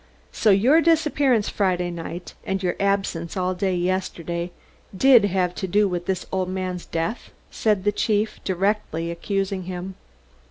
"So your disappearance Friday night, and your absence all day yesterday did have to do with this old man's death?" said the chief, directly accusing him.